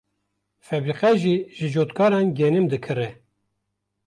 febrîqe jî ji cotkaran genim dikire.